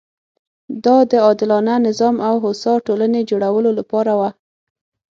دا د عادلانه نظام او هوسا ټولنې جوړولو لپاره وه.